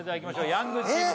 ヤングチーム